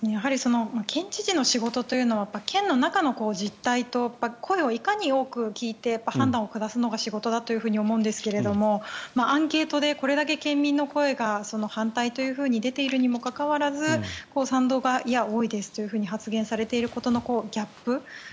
県知事の仕事というのは県の中の実態と声をいかに多く聞いて判断を下すのが仕事だと思うんですけどアンケートでこれだけ県民の声が反対と出ているにもかかわらず賛同が多いですと発言されていることのギャップ